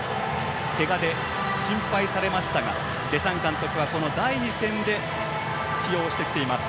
けがで心配されましたがデシャン監督は、この第２戦で起用してきています。